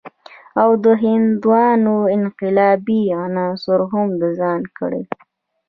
او د هندوانو انقلابي عناصر هم د ځان کړي.